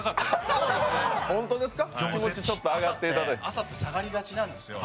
朝って下がりがちなんですよ。